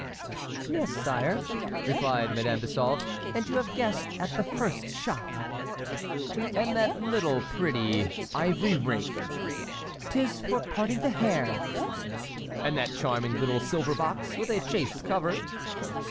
"Yes, sire," replied Madame de Sauve, "and you have guessed at the first shot!" "And that pretty little ivory rake?" "'Tis for parting the hair!" "And that charming little silver box with a chased cover?"